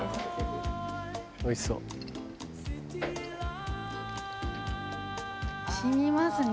「おいしそう」染みますね。